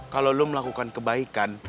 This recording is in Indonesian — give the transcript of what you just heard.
kalau lu melakukan kebaikan